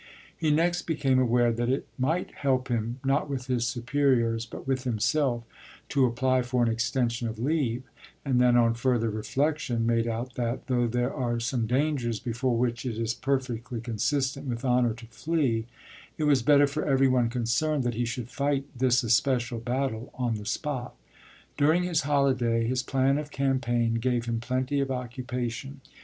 He next became aware that it might help him not with his superiors but with himself to apply for an extension of leave, and then on further reflexion made out that, though there are some dangers before which it is perfectly consistent with honour to flee, it was better for every one concerned that he should fight this especial battle on the spot. During his holiday his plan of campaign gave him plenty of occupation.